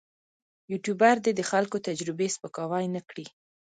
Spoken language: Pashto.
یوټوبر دې د خلکو تجربې سپکاوی نه کړي.